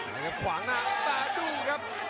แล้วครับขวางหน้าแต่ดูครับ